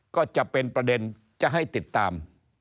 ก็จะเป็นประเด็นจะให้ติดตาม